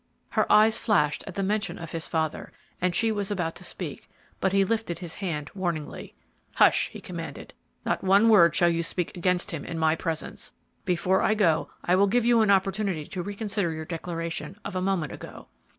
'" Her eyes flashed at the mention of his father, and she was about to speak, but he lifted his hand warningly. "Hush!" he commanded; "not one word shall you speak against him in my presence! Before I go, I will give you an opportunity to reconsider your declaration of a moment ago."